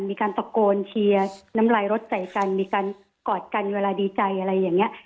มีการตะโกนเชียร์น้ำลายรถใส่กันมีการกอดกันเวลาดีใจอะไรอย่างนี้